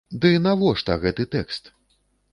Ды навошта гэты тэкст?